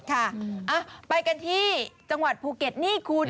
ค่ะไปกันที่จังหวัดภูเก็ตนี่คุณ